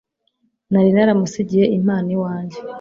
Nari naramusigiye impano iwanjye.